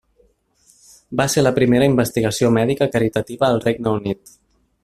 Va ser la primera investigació mèdica caritativa al Regne Unit.